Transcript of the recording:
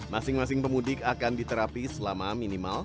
masing masing pemudik akan diterapi selama minimal